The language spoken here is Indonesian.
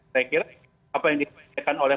saya kira apa yang diperhatikan oleh